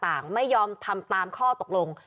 ยังเข้ามาขาสินค้าต่างไม่ยอมทำตามข้อตกลง